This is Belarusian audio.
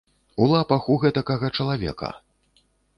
У лапах у гэтакага чалавека!